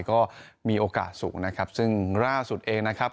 ก็มีโอกาสสูงนะครับซึ่งล่าสุดเองนะครับ